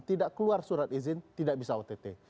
tidak keluar surat izin tidak bisa ott